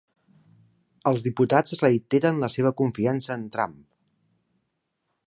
Els diputats reiteren la seva confiança en Trump